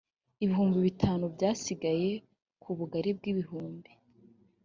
ibihumbi bitanu byasigaye ku bugari bw ibihumbi